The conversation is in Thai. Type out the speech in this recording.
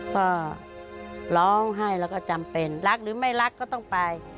ก็ร้องไห้แล้วก็จำเป็นรักหรือไม่รักก็ต้องไป